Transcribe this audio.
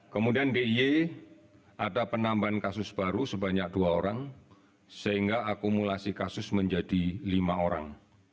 kemudian diy ada penambahan kasus baru sebanyak dua orang sehingga akumulasi kasus menjadi lima orang